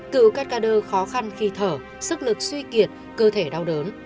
cựu cát cà đơ khó khăn khi thở sức lực suy kiệt cơ thể đau đớn